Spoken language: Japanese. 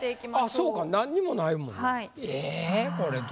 そうか何にもないもんな。